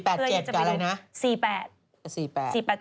๔๘๗กับอะไรนะ